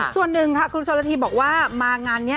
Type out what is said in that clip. ส่วนหนึ่งค่ะคุณชนละทีบอกว่ามางานนี้